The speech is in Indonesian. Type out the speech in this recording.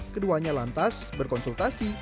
keduanya lantas berkonsultasi